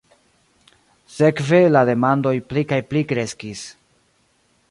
Sekve la demandoj pli kaj pli kreskis.